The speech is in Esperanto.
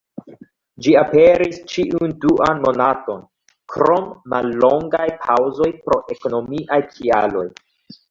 Ĝi aperis ĉiun duan monaton, krom mallongaj paŭzoj pro ekonomiaj kialoj.